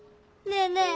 ねえねえ